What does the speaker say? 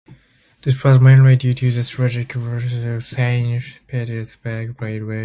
This was mainly due the strategic Warsaw - Saint Petersburg Railway.